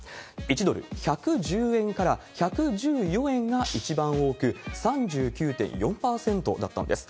１ドル１１０円から１１４円が一番多く、３９．４％だったんです。